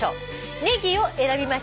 「ネギ」を選びました